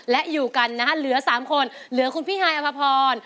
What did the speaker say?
และอยู่กันแล้วคุณพี่ฮายภพร